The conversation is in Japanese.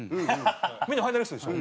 みんなファイナリストでしょ？